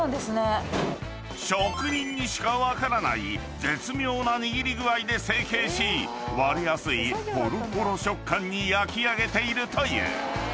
［職人にしか分からない絶妙な握り具合で成形し割れやすいホロホロ食感に焼き上げているという］